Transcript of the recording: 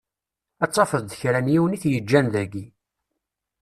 Ad tafeḍ d kra n yiwen i t-yeǧǧan daki.